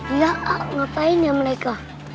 iya ngapain ya mereka